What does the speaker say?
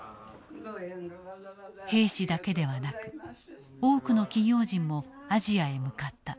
兵士だけではなく多くの企業人もアジアへ向かった。